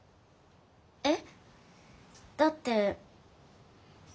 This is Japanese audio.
えっ？だって。